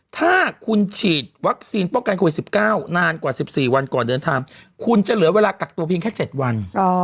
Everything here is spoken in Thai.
ถ้าคุณฉีดวัคซีนป้องกันโควิด๑๙นานกว่า๑๔วันก่อนเดินทางคุณจะเหลือเวลากักตัวเพียงแค่๗วัน